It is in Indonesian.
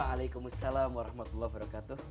waalaikumsalam warahmatullahi wabarakatuh